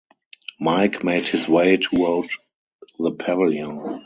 Mike made his way toward the pavilion.